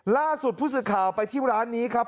ล่าสุดผู้สื่อข่าวไปที่ร้านนี้ครับ